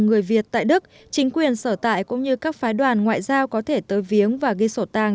người việt tại đức chính quyền sở tại cũng như các phái đoàn ngoại giao có thể tới viếng và ghi sổ tang